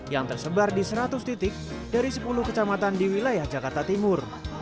yang tersebar di seratus titik dari sepuluh kecamatan di wilayah jakarta timur